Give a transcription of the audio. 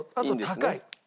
あと高い。